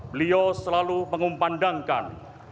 beliau selalu mengumpandangkan